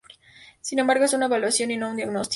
Sin embargo, es una evaluación y no un diagnóstico.